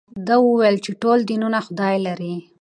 ده وویل چې ټول دینونه خدای لري.